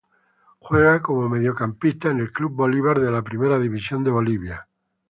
Juega como mediocampista en el Club Bolívar de la Primera División de Bolivia.